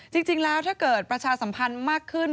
จริงแล้วถ้าเกิดประชาสัมพันธ์มากขึ้น